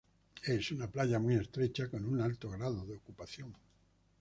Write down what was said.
Es una playa muy estrecha con un alto grado de ocupación.